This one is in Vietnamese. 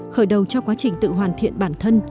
khởi đầu cho quá trình tự hoàn thiện bản thân